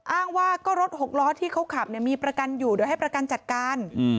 อ้างว่าก็รถหกล้อที่เขาขับมีประกันอยู่เดี๋ยวให้ประกันจัดการ